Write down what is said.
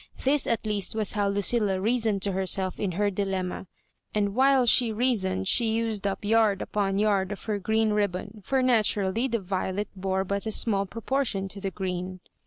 This at least was how Lucilla reasoned to herself in her dilemma ; and while she reason ed she used up yard upon yard of her green rib. bon (for naturally the violet bore but a small pro portion to the green).